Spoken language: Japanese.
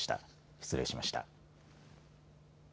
失礼いたしました。